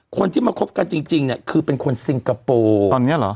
คนที่มาคบกันจริงจริงเนี่ยคือเป็นคนซิงคโปร์ตอนเนี้ยเหรอ